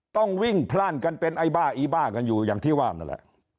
ต้องวิ่งพล่านกันเป็นไอ้บ้าอีบ้ากันอยู่อย่างที่ว่านั่นแหละ